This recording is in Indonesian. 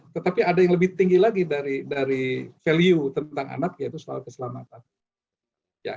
tetapi ada yang lebih tinggi lagi dari value tentang anak yaitu soal keselamatan